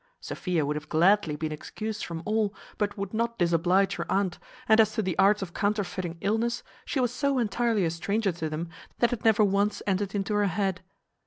Sophia would have gladly been excused from all, but would not disoblige her aunt; and as to the arts of counterfeiting illness, she was so entirely a stranger to them, that it never once entered into her head.